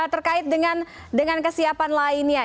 terkait dengan kesiapan lainnya